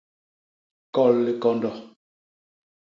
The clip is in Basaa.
Kol likondo.